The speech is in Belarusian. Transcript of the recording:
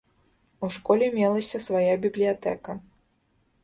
У школе мелася свая бібліятэка.